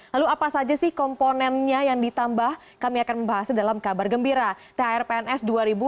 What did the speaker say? lalu apa saja sih komponennya yang ditambah kami akan membahasnya dalam kabar gembira thr pns dua ribu dua puluh